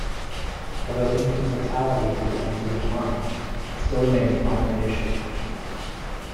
Although infant mortality had begun to decline, it still remained a prominent issue.